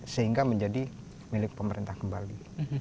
sehingga menjadi milik pemerintah kembali